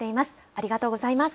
ありがとうございます。